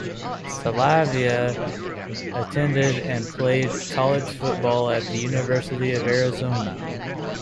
Salave'a attended and played college football at the University of Arizona.